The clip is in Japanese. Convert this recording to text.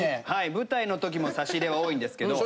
舞台の時も差し入れは多いんですけど。